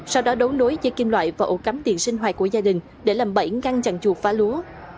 sau đó đấu nối dây kim loại và ổ cắm tiền sinh hoạt của gia đình để làm bẫy ngăn chặn chuột phá lúa